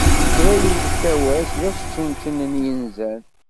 Kra yekka wass d asčenčen, n yinzan.